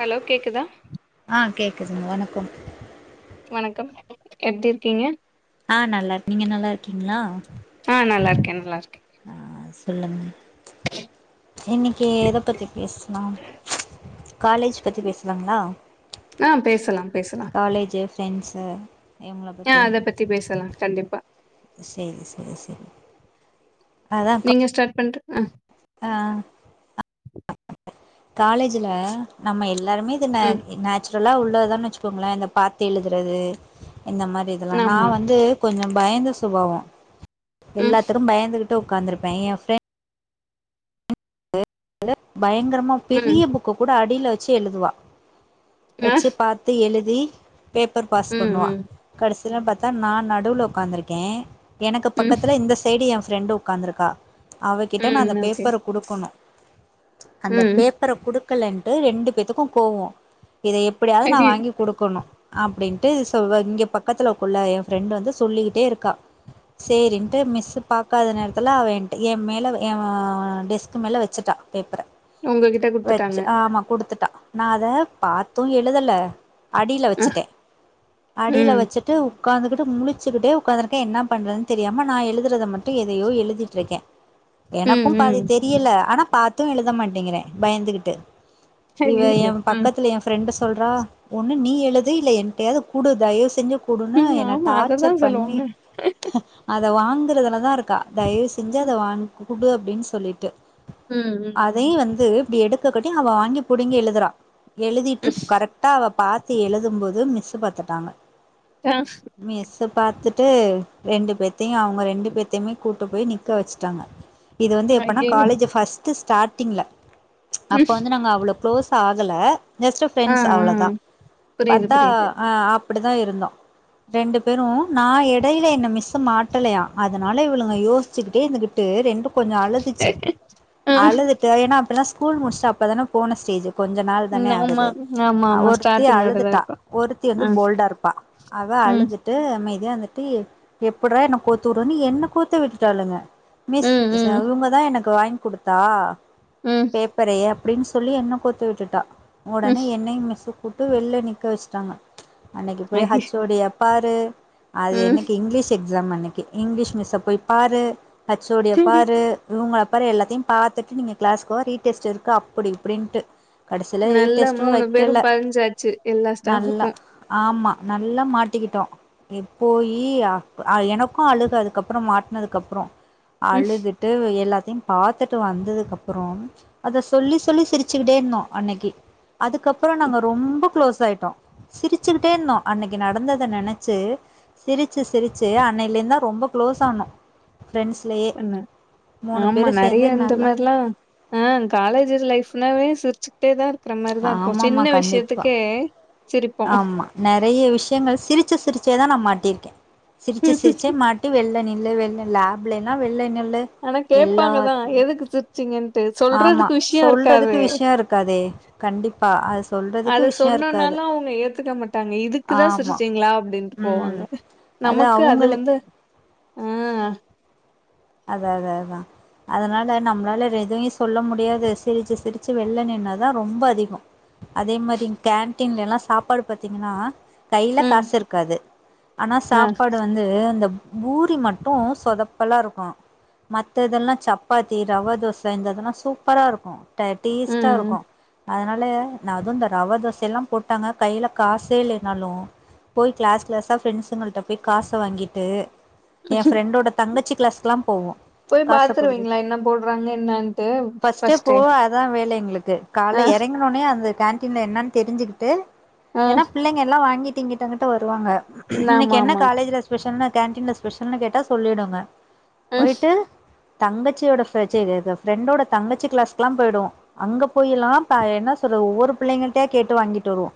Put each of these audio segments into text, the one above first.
Hello கேக்குதா? ஆ கேக்குதுங்க வணக்கம். வணக்கம் எப்டிர்க்கீங்க? ஆ நல்லார். நீங்க நல்லார்க்கீங்ளா? ஆ நல்லார்க்கே நல்லார்க்கே. ஆ சொல்லுங்க. இன்னிக்கி எத பத்தி பேசலாம்? காலேஜ் பத்தி பேசலாங்ளா? ஆ பேசலாம் பேசலா. காலேஜு, ஃப்ரெண்ஸு ஆ அத பத்தி பேசலா கண்டிப்பா. சேரி சேரி சேரி. அதா கா நீங்க ஸ்டாட் பண்ற அ ஆ காலேஜ்ல நம்ம எல்லாருமே இது ம் [unintelligible] நேச்சுரலா உள்ளதா வச்சுக்கோங்களே இந்த பாத்து எழுதுறது இந்த மாரி இதெல்லா நா ஆமா வந்து கொஞ்ச பயந்த சுபாவோ ம் எல்லாத்துக்கு பயந்துகிட்டு உட்கார்ந்துருப்பே எ பிரரெண் பயங்கரமா ம் பெரிய புக்க கூட அடியில வெச்சு எழுதுவா ஆ வச்சு பாத்து எழுதி பேப்பர் பாஸ் ம் பண்ணுவா ம் கடசில பாத்தா நா நடுவுல உட்காந்துருக்கே எனக்கு ம் பக்கத்துல இந்த சைடு எ ஃப்ரெண்டு உக் காந்துருக்கா அவகிட்ட ம் நான்னு ஓகே பேப்பர் குடுக்கணு அந்த ம் பேப் ப்பர குடுக்கல்லண்ட்டு ரெண்டு பேத்துக்கு கோவோ இத எப்படியாவது நா ஐயோ வாங்கி குடுக்குணு அப்டின்ட்டு சோ வ இங்க பக்கத்துல உள்ள எ ஃப்ரெண்டு வந்து சொல்லிகிட்டே இருக்கா சேரின்ட்டு மிஸ்சு பாக்காத நேரத்துல அவ என்ட்ட எ மேல எ டெஸ்க்கு மேல வச்சுட்டா பேப்பர உங்ககிட்ட குடுத்துட்டாங்க வெச்சு ஆமா குடுத்துட்டா நா அத பாத்து எழுதல அடியில ஆ வச்சுட்டே அடியில ம் வச்சு ட்டு உக்காந்துக்கிட்டு முழிச்சுக்கிட்டே உக்காந்துருக்கே என்ன பண்றதுன் தெரியாம நா எழுதுறத ம ட்டு எதையோ எழுதிட்டு இருக்கே ம் எனக்கும் ம் பாதி தெரியல ஆனா பாத் து எழுத மாட்டேங்கிறே பயந்துகிட்டு இவ எ ஐயையோ ம் பக்கத்துல எ ஃபிரெண்டு சொல்றா ஒன்னு நீ எழுது இல்ல என்டையாது குடு தயவு செஞ்சு குடுன்னு ம் என்ன ஆமா அததா டார்ச்சர் பண்ணி சொல்லுவாங்க அத வாங்குறதுலதா இருக்கா தயவு செஞ்சு ம் அத வாங் குடு அப்டின் சொல்லிட்டு ம் ம் அதையு வந்து இப்டி எடுக்ககட்டி அவ வாங்கி புடிங்கி எழுதுறா எழுதிட்டு ம் கரெட் ட்டா அவ பாத்து எழுதும்போது மிஸ்சு பாத்துட்டாங்க டாஸ்சு மிஸ்சு பாத்துட்டு ரெண்டு பேத்தையு அவங்க ரெண்டு பேத்தையுமே கூட்டு போய் நிக்க வச்சுட்டாங்க இது வந்து எப்பனா ஐயையோ காலேஜ் பஸ்ட் ஸ்டாட்டிங்ல அப்ப வந்து நாங்க அவ்ளோ க்ளோஸ் ஆகல ஜஸ்ட் ஆ ஆ ஃப்ரெண்ட்ஸ் அவ்ளோதா புரியுது பாத்தா புரியுது ஆ அப்டிதா இருந்தோ ரெண்டு பேரு நா எடையில என்ன மிஸ்சு மாட்டலையா அதனால இவளுங்க யோசுச்சுக்கிட்டே இந்த ட்டு ரெண்டு கொஞ்ச அழுதுச்சு ஆ அழுது தேவை என்னா அப்பல்லா ஸ்கூல் முடிஸ்ட்டு அப்பதான போன ஸ்டேஜ்சு கொஞ்ச நாள் ம் தானே ஆகுது ஆமா ஆமா ஆமா ஒருத்தி ஸ்டார்டிங் அப்டிதா அழுதுட்டா இருக்கு ஒருத்தி ஆ வந்து போல்டா இருப்பா அவ ம் அழுது ட்டு அமைதியா இந்துட்டு எப்புறா என்னக்கோத்துறனு என்ன கோத்து விட்டுட்டாளுங்க மிஸ் ம் ம் இவங்கதா எனக்கு வாங்கி கொடுத்தா ம் பேப்பரைய அப்டின் சொல்லி என்ன கோத்து விட்டுட்டா ம் உடனே என்னயு மிஸ் இப்ப வெள்ள நிக்க வஸ்ட்டாங்க அன்னைக்கி போய் ஐயோ ஹச்சோடிய பாரு அது ம் எனக்கு இங்கிலீஷ் எக்ஸாம் அன்னிக்கி இங்கிலீஷ் மிஸ்ஸ போய் பாரு ஹச்சோடிய பாரு இவங்க அப்பற எல்லாத்தையு பாத்துட்டு நீங்க கிளாஸ்கு வா ரீடெஸ்ட் இருக்கு அப்படி இப்படின்ட்டு கடைசில எல்லா டெஸ்ட்டும் மூணு பேரு வைக்கல பதிஞ்சாச்சு எல்லா நல்லா ஸ்டாபுக்கு ஆமா நல்லா மாட்டிகிட்டோ இப்போயி ஆ எனக்கு அழுக அதுக்கப்புறோ மாட்னதுக்கப்றோ ம் அழுதுட் ட்டு எல்லாத்தியு பாத்துட்டு வந்துதுக்கப்பறோ அத சொல்லி சொல்லி சிரிச்சுக்கிட்டே இருந்தோ அன்னைக்கி அதுக்கப்பறோ நாங்க ரொம்ப குளோஸ் ஆய்ட்டோ சிரிச்சுக்கிட்டே இருந்தோ அன்னைக்கு நடந்தத நெனச்சு சிரிச்சு சிரிச்சு அன்னைலெந்து தா ரொம்ப க்ளோஸ் ஆனோ ஃப்ரெண்ட்ஸ்லயே பண்ண மூணு ஆமா பேரு சேந்து நறையா இந்த நல்லா மேர்லா ஆ காலேஜ் லைஃப்னாவே சிரிச்சு ட்டேதா இருக்கிற மாறிதா இருக்கோ ஆமாமா சின்ன கண்டிப்பா விஷ்யத்துக்கே ஆமா நறைய விஷ்யங்கள் சிரிச்சு சிரிச்சேதா நா மாட்டிருக்கே சிரிச்சு சிரிச்சே மாட்டி வெள்ள நில்லு வெள்ள லேப்லயெல்லா வெள்ள நில்லு ஆனா கேப்பாங்கதா எல்லாத்துலயு எதுக்கு சிர் ச்சீங்கன்ட்டு ஆமா சொல்றதுக்கு விஷ்யோ சொல்றதுக்கு இருக்காது விஷயோ இருக்காதே கண்டிப்பா அது சொல்றதுக்கு அத விஷயோ இருக்காது சொன்னோனாலு அவுங்க ஏத்துக்க மாட்டாங்க இதுக்குதா ஆமா சிரிச்சீங்ளா அப்டீன்ட்டு ம் போவாங்க நமக்கு அது வந்து ஆ அதா அதா அதா அதனால நம்மளால எதுயு சொல்ல முடியாது சிரிச்சு சிரிச்சு வெள்ள நின்னாதா ரொம்ப அதிகோ அதே மாறி கேன்டீன்லெல்லா சாப்பாடு பாத்தீங்கன்னா கைல ம் காசு இருக்காது ஆனா ந சாப்பாடு வந்து இந்த பூரி மட்டு சொதப்பலா இருக்கோ மத்த இதெல்லா சப்பாத்தி ரவா தோச இந்த இதெல்லா சூப்பரா இருக்கோ ட டேஸ்ட்டா ம் இருக்கோ அதனால நா அதோ இந்த ரவ தோசையெல்லா போட்டாங்க கையில காசே இல்லன்னாலு போய்க் கிளாஸ் கிளாஸா ஃரெண்ட்ஸுங்கள்ட்ட போய் காச வாங்கிட்டு எ ஃப்ரெண்டோட தங்கச்சி கிளாஸ்குலா போவோ போய் காச குடுது பாத்துருவீங்களா என்ன போடுறாங்க என்னன்ட்டு பஸ்ட்டு ஃபஸ்ட்டே போவ அதா வேல எங்களுக்கு கால்ல ஆ எறங்க திட்னவொட்னே அந்த கேண்டீன்ல என்னு தெரிஞ்சுக்கிட்டு ஆ ஏன்னா பிள்ளைங்க எல்லா வாங்கிட் ங்கிட்டோ அங்கிட்டோ வருவாங்க இன்னிக்கு ஆமா என்ன ஆமா காலேஜ்ல ஸ்பெஷல் கேன்டீன்ல ஸ்பெஷல்னு கேட்டா சொல்லிடுங்க ம் போயிட்டு தங்கச்சியோட ஃப் ச்சி இது இது ஃப்ரெண்டோட தங்கச்சி கிளாஸ்குலா போயிடுவோ அங்க போயில்லா ப என்னா சொல்றது ஒவ்வோரு புள்ளைங்கள்ட்டயாக் கேட்டு வாங்கிட்டு வருவோ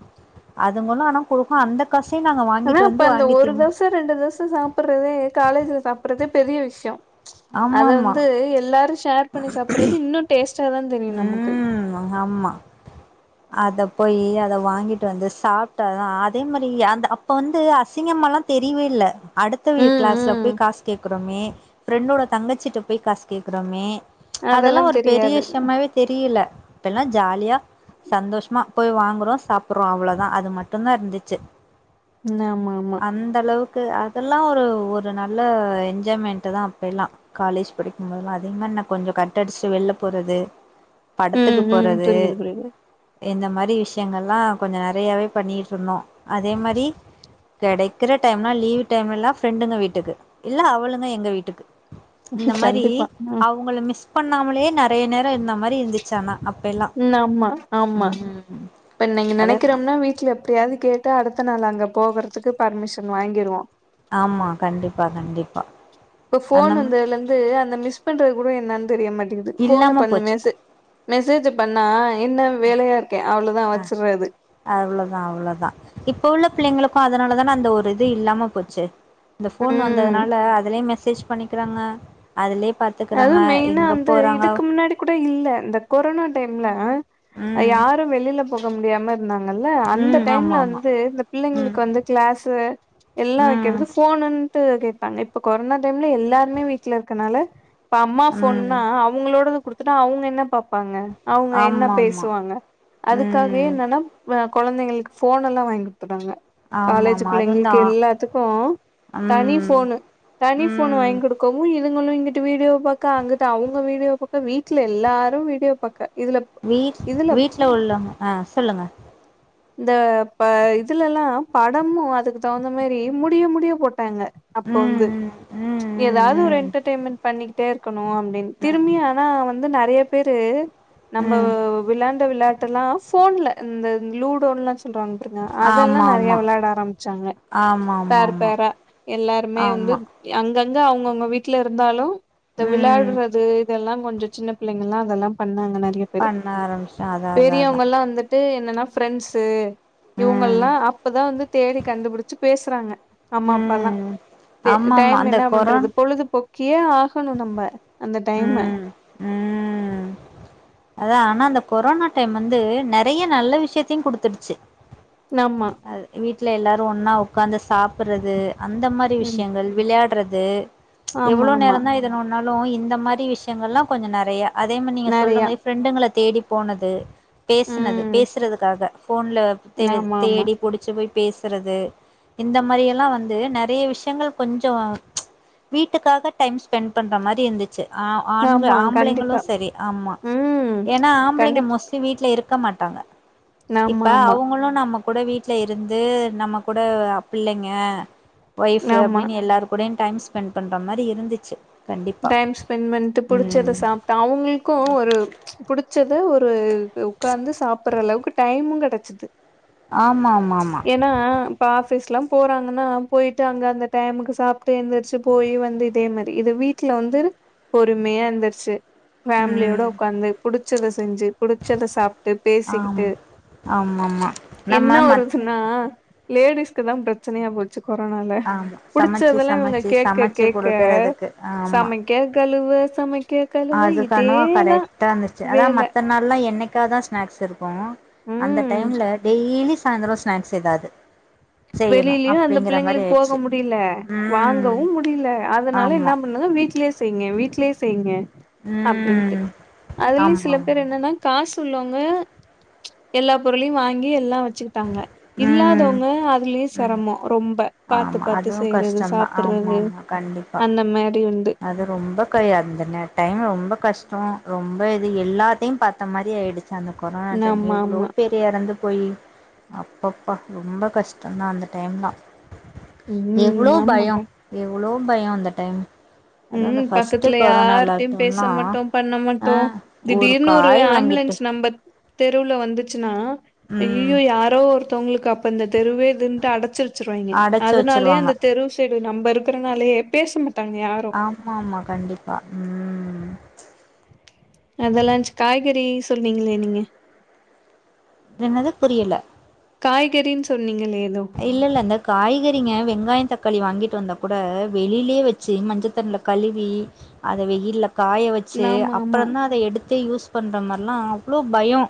அதுங்களு ஆனா போக அந்த காசையு நாங்க வாங்கிட்டு வந்து வாங்கித் திம்போ த்த ரெண்டு தோச சாப்புடுறதே காலேஜ்ல சாப்புடுறதே பெரிய விஷ்யோ ஆமா அத ஆமா வந்து எல்லாரு ஷேர் பண்ணி சாப்புறது இன்னு டேஸ் உம் ஆமா அத போய் அத வாங்கிட்டு வந்து சாப்ட்டாதா அதே மாரி அந்த அப்போ வந்து அசிங்கமால்லா தெரியவே இல்ல அடுத்தவிய ம் கிளாஸ்ல ம் போய் காசு கேக்றோமே ஃப்ரெண்டோட தங்கச்சிட்ட போய் காசு கேக்றோமே அதெல்லா ஒரு பெரிய விஷயமாவே தெரியுல இப்பலா ஜாலியா சந்தோஷமா போய் வாங்குறோ சாப்புடுறோ அவ்ளோதா அது மட்டுந்தா இருந்துச்சு இன்ன ஆமாமா அந்த அளவுக்கு அதெல்லா ஒரு ஒரு நல்ல என்ஜாய்மெண்ட்டுதா அப்பயெல்லா காலேஜ் படிக்கும்போதுலா அதேமாரி நா கொஞ்சோ கட்டடிச்சுட்டு வெள்ள போறது படத்துக்கு ம் ம் போறது புரியுது புரியுது இந்த மாரி விஷ்யங்கல்லா கொஞ்சோ நறையாவே பண்ணிட்டு இருந்தோ அதே மாரி கெடைக்குற டைம்லா லீவ் டைம்லலெல்லா ஃப்ரெண்டுங்க வீட்டுக்கு இல்ல அவளுங்க எங்க வீட்டுக்கு இந்த மாரி கண்டிப்பா ம் அவுங்கள மிஸ் பண்ணாமலயே நறைய நேரோ இருந்த மாரி இருந்துச்சு ஆனா அப்பயெல்லா உம் ஆமா ஆமா ம் இப்ப நீங்க அதெல்லா நெனைக்கிறோம்னா வீட்ல எப்புடியாது கேட்டு அடுத்த நாள் அங்க போகறதுக்கு பர்மிஷன் வாங்கிருவோ ஆமா கண்டிப்பா கண்டிப்பா இப்ப அந்த ஃபோன் மா வந்ததலந்து அந்த மிஸ் பண்றது கூட என்னான்னு தெரிய மாட்டேங்குது ஃபோன இல்லாம பண்ணு போச்சு மெஸ் மெசேஜு பண்ணா என்ன வேலயா இருக்கே அவ்ளோதா வச்சுறது அவ்வளோதா அவ்வளோதா இப்ப உள்ள பிள்ளைங்களுக்கோ அதனாலதான அந்த ஒரு இது இல்லாம போச்சு இந்த ஃபோன் ம் வந்ததுனால அதுலயே மெசேஜ் பண்ணிக்குறாங்க அதுலயே பாத் அதுவு மெயினா வந்து இதுக்கு முன்னாடி குட இல்ல இந்த கொரோனா டைம்ல அ ம் யாரு வெளில போக முடியாம ந்தாங்கல்ல அந்த ம் டைம்ல ஆமா ஆமா வந்து, இந்த ம் பிள்ளைங்களுக்கு வந்து க்ளாசு எல்லா ம் வைக்கறது ஃபோன்னுட்டு கேப்பாங்க இப்ப கொரோனா டைம்ல எல்லாருமே வீட்ல இருக்கனால ப்ப அம்மா ம் ஃபோன்னா அவுங்களோடது குடுத்டா அவுங்க என்ன பாப்பாங்க அவுங்க என்ன ஆமா ஆமா பேசுவாங்க அதுக்காகயே ம் என்னன்னா அ கொழந்தைங்களுக்கு ஃபோன் எல்லா வாங்கி த்றாங்க ஆமா காலேஜ் ஆமா அது வந்து பிள்ளைங்களுக்கு ஆ எல்லாத்துக்கு தனி ம் ஃபோனு தனி ஃபோனு ம் வாங்கி குடுக்கவு இதுங்குளு இங்குட்டு வீடியோ பாக்க அங்குட்டு அவுங்க வீடியோ ஒத்த வீட்ல எல்லாரு வீடியோ பாக்க இதுலப் வீட் வீட்ல உள்ளங்க அ சொல்லுங்க ந்த ப இதுலல்லாம் படமு அதுக்கு தகுந்த மேரி முடியு முடியு போட்டாங்க. அப்போ ம் ந்து ம் ம் எதாது ஒரு ம் என்டர்டெய்மெண்ட் பண்ணிக்கிட்டே இருக்கணு அப்டின் திரும்பி அன வந்து நறைய பேரு நம்ம ம் ம் விளாண்ட விளாட் இதல்லா ஃபோன்ல ந்த லூடோன்ல்லா சொல்றாங். [unintelligible] அதெல்லா ஆமா நறைய ஆமா வெளாட ஆரமிச்சாங்க ஆமா ஆமா பேர் ஆமா பேரா எல்லாருமே வந்து ஆமா அங்கங்க அவங்கவுங்க வீட்டுல இருந்தாலு இந்த ம் விளையாடுறது இதெல்லா கொஞ்சொ சின்னப் பில்லைங்கள்லா அதெல்லாம் பண்ணாங்க நறைய பண்ண ஆரமிச்ட அதா அதா அதா ட்டு என்னன்னா ஃப்ரெண்ட்ஸ்ஸு ம் இவுங்கல்லா அப்ப தா வந்து தேடி கண்டுபுடிச்சு பேசுறாங்க நம்ம அப்பல்லா ம் தே ஆமாமா டைம் அந்த கொரோன் என்னபண்றது பொழுதுபோ கியே ஆஃப் பண்னு நம்ப அந்த டைமு ம் ம் அதா, ஆனா அந்த கொரோனா டைம் அந்து, நெறைய நல்ல விஷயத்தையுங் குடுத்துடுச்சு. நம்மா வீட்ல எல்லாரு ஒன்னா ஒக்காந்து சாப்புறது அந்த மாரி ம் விஷயங்கள் விளையாட்றது ஆமா எவ்ளோ ஆமா நேரந்தா இத நோண்னாலும் இந்த மாரி விஷயங்கல்லா கொஞ்சொ நெறைய அதே மநீங்க சொல்ற நெறையா மரி ஃப்ரெண்டுங்கள தேடி போனது பேசுனது ம் பேசுறதுக்காக ஃபோன்ல தெரிது ஆமா ஆமா தேடிப்புடி ச்சுபோய் பேசுறது இந்த மாறி எல்லா வந்து நெறைய விஷயங்கள் கொஞ்சோ ம்ச் வீட்டுக்காக டைம் ஸ்பெண் பண்ற மாறி இருந்துச்சு அ, ஆண்க ஆமா ஆம்பளைங்களு கண்டிப்பா சரி, ஆமா ம் ஏன்னா ஆம்பளைங்க கண்டிப் மோஸ் லி வீட்ல இருக்க மாட்டாங்க இப்ப ஆமா ஆமா அவுங்குளு நமக் குட வீட்டுல இருந்து நம்ம கூட அ பிள்ளைங்க ஒய்ஃபு ஆமா அப்டின்னு எல்லார் கூடயு டைம் ஸ்பெண் பண்ற மாரி இருந்துச்சு கண்டிப்பா மென்ட்டு புடிச்சத ம் சாப்ட்டா அவுங்களுக்கு ஒரு புடிச்ச த ஒரு உக்காந்து சாப்பட்ற ளவுக்கு டைமு கெடச்சது ஆமாமாம்மா என்னா ப்ப ஆஃபிஸ்லா போறாங்கன்னா பொய்ட்டு அங்க அந்த டைம்முக்கு சாப்ட்டு எந்திருச்சு போய் வந்து இதே மாறி இது வீட்ல வந்து பொறுமையா இருந்துச்சு ஃபேம்லியோட ம் ஒக்காந்து புடிச்சத செஞ்சு புடிச்சத சாப் ட்டு ஆம் பேசிக்கிட்டு ஆமாமா நம்ம என்ன ஒரு மத் அ லேடிஸ்க்கு தா பிரச்சனையா போச்சு கொரோனால ஆமா சமச்சு புடிச்சததுல்லா இவ்ங்க சமச்சு கேக்க சமச்சு கேக்க குடுக்கறதுக்கு சமைக் கே கலுவ சமைக்க கழுவ அதுக்கனுவா இதேதா கரெக்ட்டா இருந்துச்சு அதான் வேல மத்த நாள்ல்லா என்னைக்காதா ஸ்நாக்ஸ் இருக் அப்போ அந்த ம் டைம்ல டெய்லி சாயந்தர ஸ்நாக்ஸ் எதாது செய்யணு வெளிலையு அந்த அப்டிங்கிற மாரி பிள்ளைங்களுக்கு போக ஆயிடுச்சு முடியில ம் வாங்கவு முடியில அதனால என்ன ஆமா பண்ணதுக வீட்லயே செய்ங்க வீட்லே செய்ங்க அப்டின்ட்டு ம் அதுலையு ஆமா சில பேர் ஆமா என்னென்னா காஸ் உள்ளவங்க எல்லா பொருளையு வாங்கி எல்லா வெச்சுக்கிட்டாங்க ம் இல்லாதவங் க அதுலையே ம் செரம்மோ ரொம்ப பாத்து ஆமா பாத்து அதுவு செய்யறது கஷ்டந்தா ஆமா சாப்புட்றது ஆமா கண்டிப்பா அந்த மாரி உண்டு அது ரொம்ப [unintelligible] அந்த நே டைம் ரொம்ப கஷ்டோ ரொம்ப இது. எல்லாத்தயு பாத்த மாரி ஆயிடு ச்சு அந்த கொரோனா டைம்ல ஆமா எவ்வளோ ஆமா பேர் எறந்து போய் அப்பப்பா ரொம்ப கஷ்டோந்தா அந்த டைம்தா எவ்வளோ ம் பயம் ஆமாக்கா எவ்வளோ பயம் அந்த டைம் அதுவு உம் அந்த ஃபஸ்ட்டு பக்கத்துல கொரோனா யார்டயு பேச லாக்டவுன்லா மாட்டோ பண்ண ஆ மாட்டோ திடீர்ன் ஒரு காய் வாங்கிட்டு ஆம்புலன்ஸ் நம்மத் தெருல வந்துச்சுன்னா ம் ஐய்யய்யோ யாரோ ஒருத்தவுங்களுக்கு அப்ப இந்த தெருவே இதுன்ட்டு அடச்சு வச்சிரு வாங்கெ அடச்சு அதனாலயே வச்சிருவாங்க அந்த தெரு சைடு நம்ம இருக்கிறனாலேயே பேச மாட்டாங்க யாரு ஆம்மா ஆம்மா கண்டிப்பா ம் அதெல்லா காய்கறி சொன்னீங்களே நீங்க என்னது புரியில காய்கறின் சொன்னீங்களே ஏதோ இல்லல்லங்க காய்கறிங்க வெங்காய தக்காளி வாங்கிட்டு வந்தா கூட வெளிலயே வெச் சு மஞ்சத்தண்ல கழுவி அத வெயில்ல காய வ ச்சு ஆமா ஆமா அப்புறோந்தா அத எடுத்தே யூஸ் பண்ற மாறிலா அவ்ளோ பயோ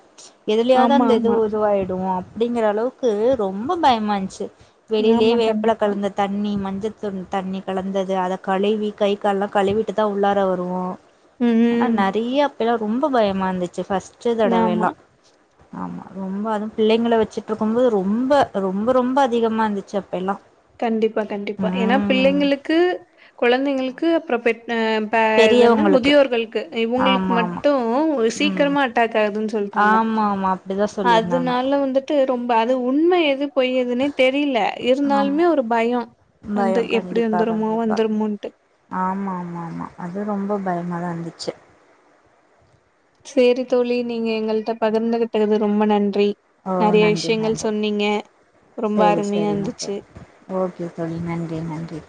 எதுலையாது ஆமா அந்த இது ஆமா உருவாயிடு அப்டிங்கற அளவுக்கு ரொம்ப பயமாந்ச்சு வெளிலேயே ஆமா வேப்பெல கண்டிப்பா கலந்து தண்ணீ மஞ்சத்தூள் தண்ணி கலந்தது அத கழுவி கை கால்லா கழுவிட்டுதா உள்ளார வருவோ ம் ம் அ நெறைய அப்ப எல்லா ரொம்ப பயமா இருந்துச்சு ஃபஸ்ட் ஆமா தடவேல்லா ஆமா ரொம்ப அதுவு பிள்ளைங்கள வச்சுட்டு இருக்கும்போது ரொம்ப ரொம்ப ரொம்ப அதிகமா இருந்துச்சு அப்ப எல்லா கண்டிப்பா கண்டிப்பா ஏன்னா ம் பிள்ளைங்களுக்கு கொழந்தைங்களுக்கு அப்புறோ பெத் ஆ இப்ப இது என்ன பெரியவங்களுக்கு முதியோர்களுக்கு இவுங்களுக்கு ஆமா ஆமா மட்டு ஒரு ம் சீக்கிரமா அட்டாக் ஆகுதுன் சொல்ட்டாங்க ஆமா ஆமா அப்டிதா சொல்லியிருந்தாங்க அதனால வந்து அது ரொம்ப அது உண்ம எது பொய் எதுன்னே தெரியல இருந்தாலு ஆமா ரு பயோ வந்து பயோ எப்டி வந்துருமோ வந்துருமோன்டு ஆம ஆமா ஆமா அது ரொம்ப பயமா தா இருந்துச்சு சேரி தோழி நீங்க எங்கள்ட்ட பகிர்ந்து கிட்டதுக்கு ரொம்ப நன்றி. ஓ நெறைய நன்றி விஷயங்கள் நன்றி சொன்னீங்க ரொம்ப சரி அருமையா சரிங்க இருந்துச்சு தோழி ஓகே தோழி நன்றி நன்றி